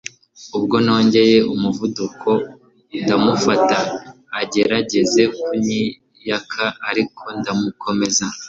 ubwo nongeye umuvuduko ndamufata agerageza kunyiyaka ariko ndamukomeza